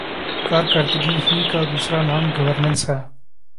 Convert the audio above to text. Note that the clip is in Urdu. کارکردگی ہی کا دوسرا نام گورننس ہے۔